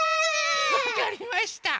わかりました。